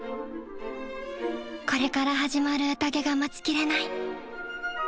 これから始まる宴が待ちきれない。